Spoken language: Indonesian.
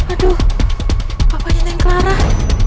aduh apa apaan ini yang kelarah